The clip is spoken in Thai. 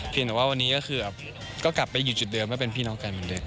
แต่ว่าวันนี้ก็คือก็กลับไปอยู่จุดเดิมว่าเป็นพี่น้องกันเหมือนเดิม